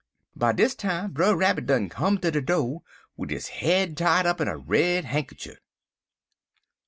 "By dis time Brer Rabbit done come ter de do', wid his head tied up in a red hankcher.